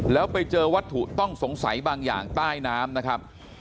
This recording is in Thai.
แล้วไปเจอวัตถุต้องสงสัยบางอย่างใต้น้ำนะครับ